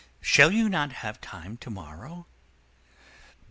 Shall you not have time to morrow?"